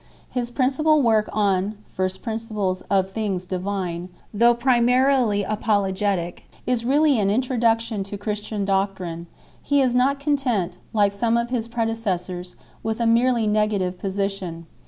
His principal work, on First Principles of Things Divine, though primarily apologetic, is really an introduction to Christian doctrine ; he is not content, like some of his pre decessors, with a merely negative position.